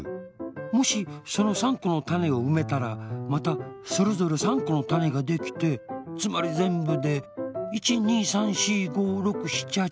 もしその３このたねをうめたらまたそれぞれ３このたねができてつまりぜんぶで１２３４５６７８９